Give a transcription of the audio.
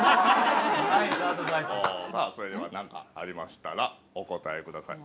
それでは何かありましたらお答えください。